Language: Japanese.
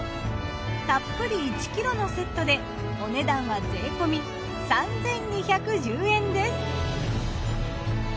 たっぷり１ｋｇのセットでお値段は税込み３，２１０円です。